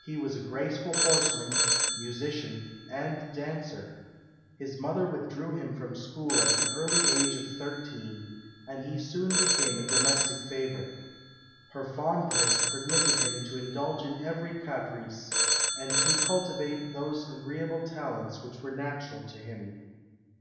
He was a graceful horseman, musician, and dancer. His mother withdrew him from school at the early age of thirteen, and he soon became a domestic favourite. Her fondness permitted him to indulge in every caprice, and to cultivate those agreeable talents which were natural to him.